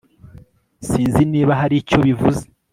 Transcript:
Sinzi niba hari icyo bivuze